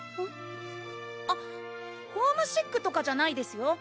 あっホームシックとかじゃないですよ